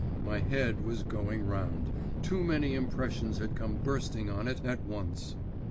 My head was going round; too many impressions had come bursting on it at once.